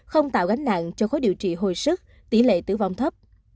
không tạo gánh nặng cho khối điều trị hồi sức tỷ lệ tử vong thấp